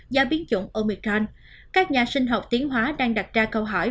do biến chủng omicron các nhà sinh học tiến hóa đang đặt ra câu hỏi